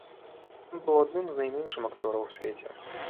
Ён быў адным з найменшым акцёраў у свеце.